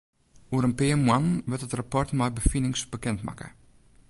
Oer in pear moannen wurdt it rapport mei de befinings bekend makke.